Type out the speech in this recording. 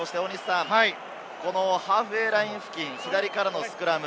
ハーフウェイライン付近、左からのスクラム。